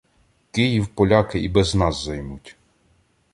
— Київ поляки і без нас займуть.